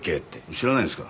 知らないんですか？